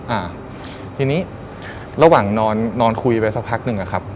อ่าทีนี้ระหว่างนอนนอนคุยไปสักพักหนึ่งอะครับ